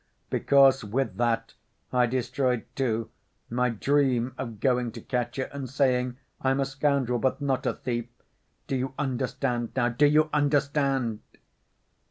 Because, with that I destroyed, too, my dream of going to Katya and saying, 'I'm a scoundrel, but not a thief!' Do you understand now? Do you understand?"